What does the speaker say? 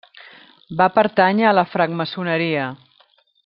Va pertànyer a la francmaçoneria.